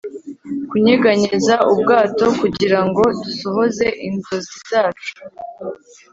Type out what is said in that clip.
kunyeganyeza ubwato kugirango dusohoze inzozi zacu